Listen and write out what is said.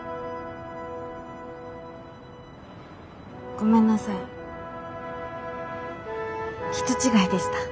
ごめんなさい人違いでした。